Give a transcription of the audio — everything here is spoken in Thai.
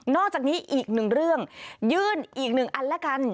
อกจากนี้อีกหนึ่งเรื่องยื่นอีกหนึ่งอันแล้วกัน